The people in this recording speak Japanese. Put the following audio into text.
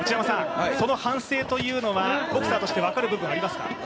その反省というのはボクサーとして分かる部分はありますか。